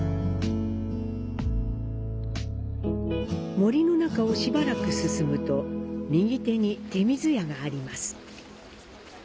森の中をしばらく進むと右手に「手水舎」があります。